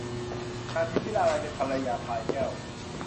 นางพิมพิลาไลยเป็นภรรยาพลายแก้ว